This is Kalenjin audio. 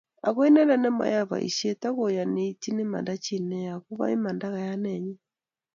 Ago inendet nimoyoei boishei, akoyani iityin imanda chi neya, koba imanda kayanenyi